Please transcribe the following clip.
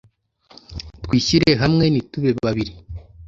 twishyire hamwe ntitube babili